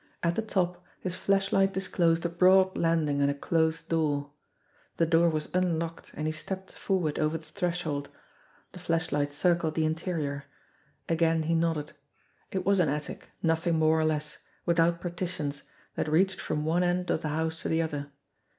At the top, his flashlight disclosed a broad landing and a closed door. The door was unlocked, and he stepped forward over the threshold. The flashlight circled the in terior. Again he nodded. It was an attic, nothing more or less, without partitions, that reached from one end of the house to the other.